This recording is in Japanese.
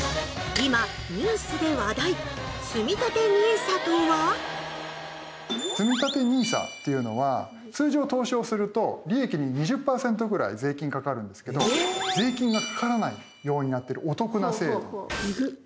今ニュースで話題つみたてＮＩＳＡっていうのは通常投資をすると利益に２０％ぐらい税金かかるんですけど税金がかからないようになってるお得な制度。